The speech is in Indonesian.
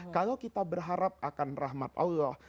kalau kita berharap akan rahmat allah